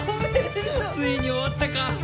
ついに終わったか！